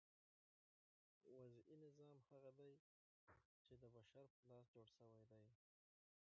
وضعي نظام هغه دئ، چي د بشر په لاس جوړ سوی دئ.